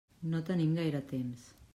No tenim gaire temps.